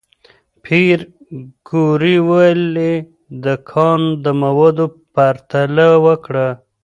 پېیر کوري ولې د کان د موادو پرتله وکړه؟